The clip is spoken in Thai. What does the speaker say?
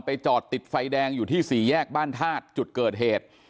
จอดติดไฟแดงอยู่ที่สี่แยกบ้านธาตุจุดเกิดเหตุ